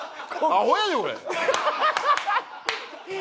アホやでこれ。